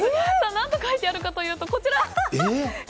何と書いてあるかというと。